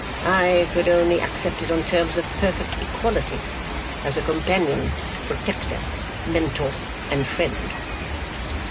'I could only accept it on terms of perfect equality, as a companion, protector, Mentor, and friend.